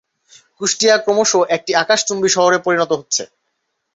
কুষ্টিয়া ক্রমশ একটি আকাশচুম্বী শহরে পরিণত হচ্ছে।